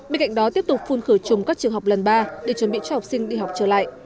bên cạnh đó tiếp tục phun khử trùng các trường học lần ba để chuẩn bị cho học sinh đi học trở lại